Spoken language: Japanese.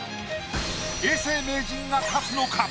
永世名人が勝つのか？